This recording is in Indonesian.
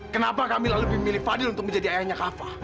kenapa camilla lebih memilih fadil untuk menjadi ayahnya kava